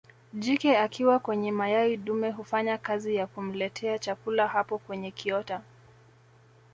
Jike akiwa kwenye mayai dume hufanya kazi ya kumletea chakula hapo kwenye kiota